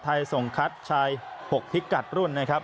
ไทยส่งคัดชาย๖พิกัดรุ่นนะครับ